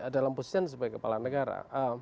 dalam besian sebagai kepala negara